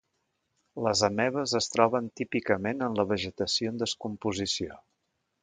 Les amebes es troben típicament en la vegetació en descomposició.